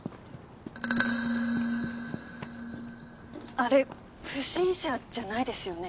あれ不審者じゃないですよね？